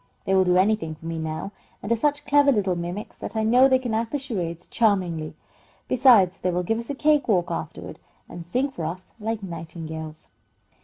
They will do anything for me now, and are such clever little mimics that I know they can act the charades charmingly. Besides, they will give us a cake walk afterward, and sing for us like nightingales."